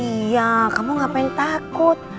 iya kamu ngapain takut